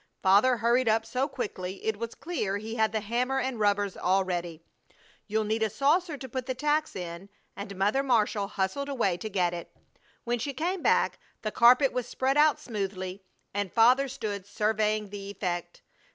Father hurried up so quickly it was clear he had the hammer and rubbers all ready. "You'll need a saucer to put the tacks in!" and Mother Marshall hustled away to get it. When she came back the carpet was spread out smoothly and Father stood surveying the effect.